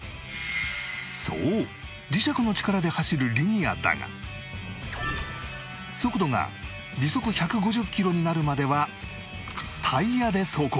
そう磁石の力で走るリニアだが速度が時速１５０キロになるまではタイヤで走行